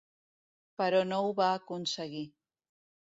Però no ho van aconseguir.